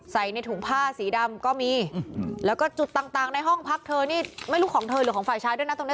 ในถุงผ้าสีดำก็มีแล้วก็จุดต่างในห้องพักเธอนี่ไม่รู้ของเธอหรือของฝ่ายชายด้วยนะตรงนี้